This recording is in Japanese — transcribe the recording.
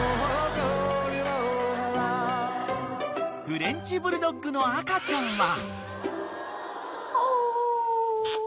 ［フレンチブルドッグの赤ちゃんは］